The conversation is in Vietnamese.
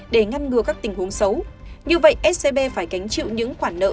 để ngăn ngừa các tình huống xấu như vậy scb phải gánh chịu những khoản nợ